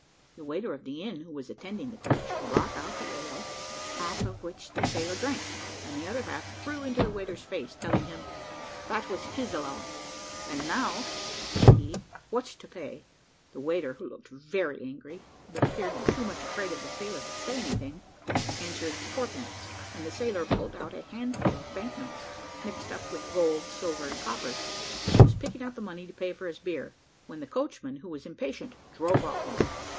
The waiter of the inn, who was attending the coach, brought out the ale, half of which the sailor drank, and the other half threw into the waiter's face, telling him, "that was his allowance; and now," said he, "what's to pay?" The waiter, who looked very angry, but appeared too much afraid of the sailor to say anything, answered fourpence; and the sailor pulled out a handful of bank notes, mixed up with gold, silver, and coppers, and was picking out the money to pay for his beer, when the coachman, who was impatient, drove off.